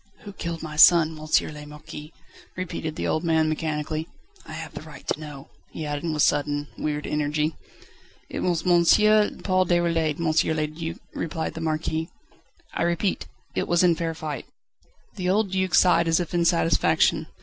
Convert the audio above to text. "Who killed my son, M. le Marquis?" repeated the old man mechanically. "I have the right to know," he added with sudden, weird energy. "It was M. Paul Déroulède, M. le Duc," replied the Marquis. "I repeat, it was in fair fight." The old Duc sighed as if in satisfaction.